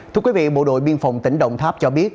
thưa quý vị bộ đội biên phòng tỉnh đồng tháp cho biết